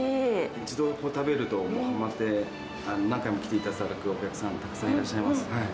一度食べるとはまって、何回も来てくださるお客さんもいらっしゃいます。